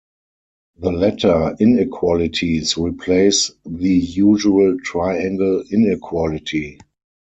The latter inequalities replace the usual triangle inequality.